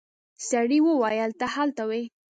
سړي وويل ته هلته وې.